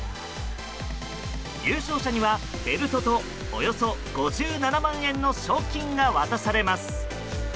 優勝者にはベルトとおよそ５７万円の賞金が渡されます。